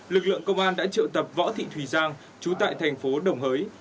lực lượng công an đã triệu tập võ thị thùy giang chú tại thành phố đồng hới